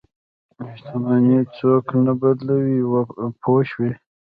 شتمني څوک نه بدلوي پوه شوې!.